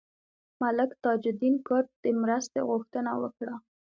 ملک تاج الدین کرد د مرستې غوښتنه وکړه.